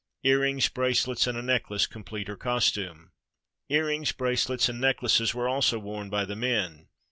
Earrings, bracelets, and a necklace complete her cos tume. Earrings, bracelets, and necklaces were also worn by the men.